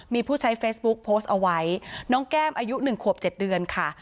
มีผู้ใช้เฟซบุ๊กโพสต์เอาไว้น้องแก้มอายุ๑ขวบ๗เดือนค่ะ